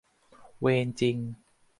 เวรจริง